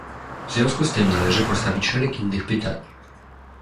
W związku z tym należy postawić szereg innych pytań